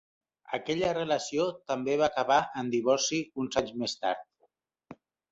Aquella relació també va acabar en divorci uns anys més tard.